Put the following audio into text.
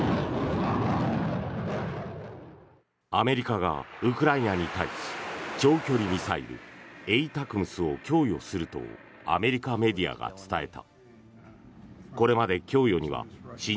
アメリカがウクライナに対し長距離ミサイル、ＡＴＡＣＭＳを供与するとアメリカメディアが伝えた。